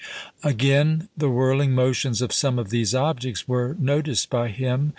Again, the whirling motions of some of these objects were noticed by him.